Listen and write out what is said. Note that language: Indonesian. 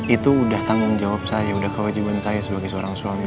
itu udah tanggung jawab saya udah kewajiban saya sebagai seorang suami